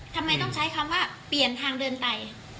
ทำไมต้องใช้คำว่าเปลี่ยนทางเดินไป